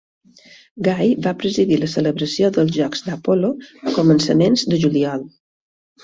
Gai va presidir la celebració dels Jocs d'Apol·lo a començaments de juliol.